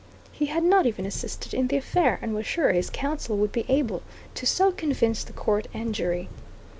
He had not even assisted in the affair, and was sure his counsel would be able to so convince the court and jury.